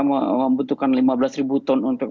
membutuhkan lima belas ribu ton untuk